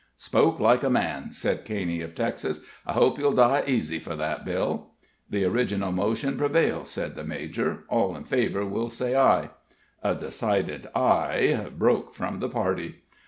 "Spoke like a man," said Caney, of Texas. "I hope ye'll die easy for that, Bill." "The original motion prevails," said the major; "all in favor will say ay." A decided "ay" broke from the party.